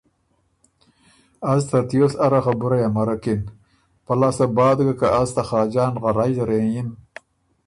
از ترتیوس اره خبُرئ امرکِن، پۀ لاسته بعد ګه که از ته خاجان لغرئ زر هېنئِم۔